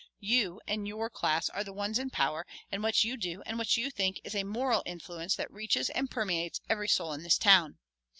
"You and your class are the ones in power and what you do and what you think is a moral influence that reaches and permeates every soul in this town.